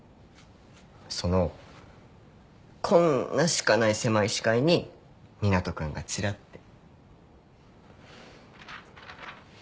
そのこんなしかない狭い視界に湊斗君がちらって。